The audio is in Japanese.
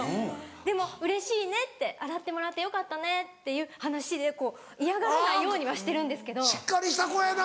でも「うれしいね洗ってもらってよかったね」っていう話で嫌がらないようにはしてるんですけど。しっかりした子やな。